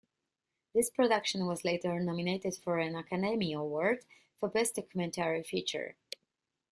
This production was later nominated for an Academy Award for Best Documentary feature.